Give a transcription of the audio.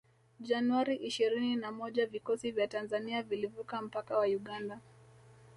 Januari ishirini na moja vikosi vya Tanzania vilivuka mpaka wa Uganda